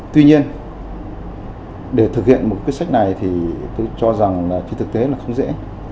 tuy nhiên để thực hiện một quyết sách này thì tôi cho rằng là cái thực tế là không dễ